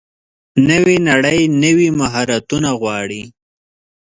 نوې نړۍ نوي مهارتونه غواړي.